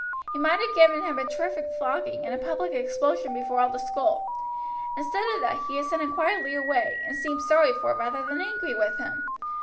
He might have given him a terrific flogging and a public expulsion before all the school. Instead of that he had sent him quietly away, and seemed sorry for rather than angry with him.